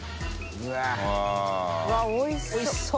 うわおいしそう。